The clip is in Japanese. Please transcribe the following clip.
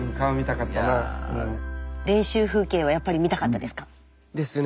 練習風景をやっぱり見たかったですか？ですね。